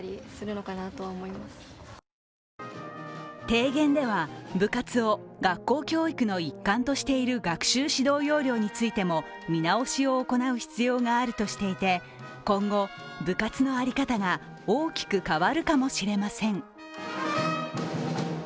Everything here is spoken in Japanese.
提言では、部活を学校教育の一環としている学習指導要領についても見直しを行う必要があるとしていて、今後、部活の在り方が大きく変わるかもしれません。